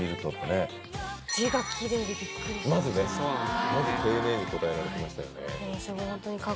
まずねまず丁寧に答えられてましたよね